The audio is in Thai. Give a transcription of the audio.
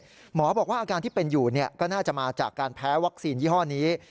หมอบอกว่าอาการที่เป็นอยู่ก็น่าจะมาจากการแพ้วัคซีนยี่ห้อนี้